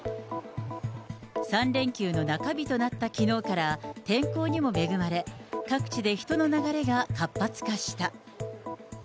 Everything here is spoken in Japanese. ３連休の中日となったきのうから、天候にも恵まれ、各地で人の流れが活発化した。